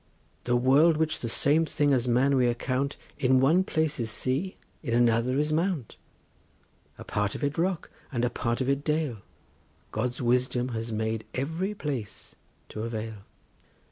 The world which the same thing as man we account In one place is sea, in another is mount; A part of it rock, and a part of it dale— God's wisdom has made every place to avail.